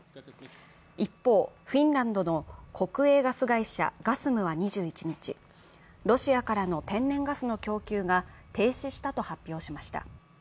一方、フィンランドの国営ガス会社ガスムは２１日ロシアからの天然ガスの供給が停止したと発表しました。